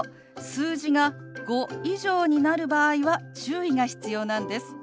数字が５以上になる場合は注意が必要なんです。